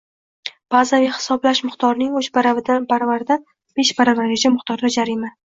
bazaviy hisoblash miqdorining uch baravaridan besh baravarigacha miqdorda jarima